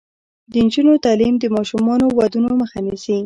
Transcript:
د نجونو تعلیم د ماشوم ودونو مخه نیسي.